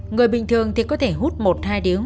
người bình thường thì có thể hút một hai điếng